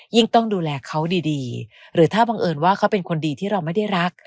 ต้องดูแลเขาดีหรือถ้าบังเอิญว่าเขาเป็นคนดีที่เราไม่ได้รัก